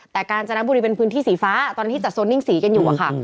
แต่กาญจนบุรีเป็นพื้นที่สีฟ้าตอนที่จัดโซนนิ่งสีกันอยู่อะค่ะ